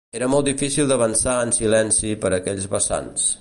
Era molt difícil d'avançar en silenci per aquells vessants